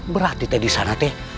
berarti teh disana